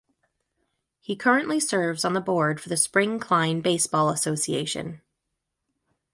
He currently serves on the board for the Spring Klein Baseball Association.